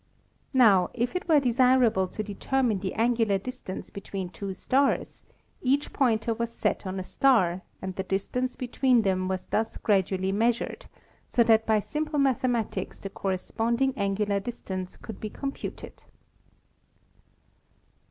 Now if it were desirable to determine the angular distance between two stars, each pointer was set on a star and the distance between them was thus gradually measured, so that by sim ple mathematics the corresponding angular distance could be computed.